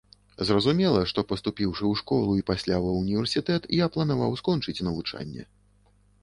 Зразумела, што, паступіўшы ў школу і пасля ва ўніверсітэт, я планаваў скончыць навучанне.